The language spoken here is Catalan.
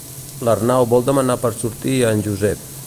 L'Arnau vol demanar per sortir a en Josep.